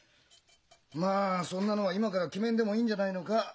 まあそんなのは今から決めんでもいいんじゃないのか？